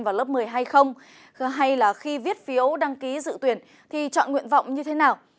vào lớp một mươi hay không hay là khi viết phiếu đăng ký dự tuyển thì chọn nguyện vọng như thế nào